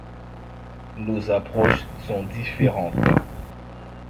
Nos approches sont différentes.